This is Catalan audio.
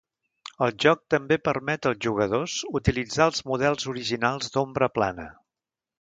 El joc també permet als jugadors utilitzar els models originals d'ombra plana.